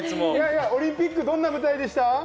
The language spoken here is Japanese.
オリンピックはどんなところでしたか？